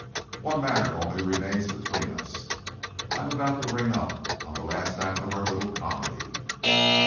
One matter, only, remains between us. I am about to ring up on the last act of our little comedy."